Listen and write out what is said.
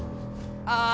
ああ！